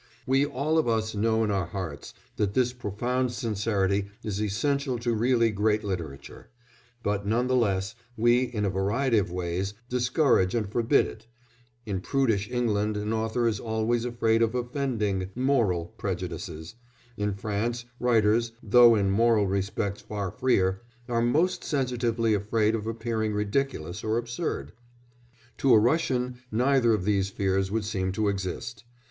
We all of us know in our hearts that this profound sincerity is essential to really great literature; but, none the less, we, in a variety of ways, discourage and forbid it: in prudish England an author is always afraid of offending "moral" prejudices; in France writers, though in moral respects far freer, are most sensitively afraid of appearing ridiculous or absurd. To a Russian neither of these fears would seem to exist.